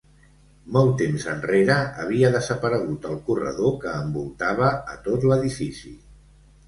Molt temps enrere havia desaparegut el corredor que envoltava a tot l'edifici.